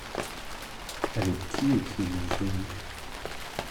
Avec qui étiez-vous venu ?